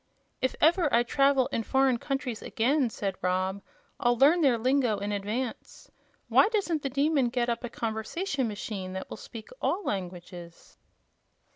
"If ever I travel in foreign countries again," said Rob, "I'll learn their lingo in advance. Why doesn't the Demon get up a conversation machine that will speak all languages?"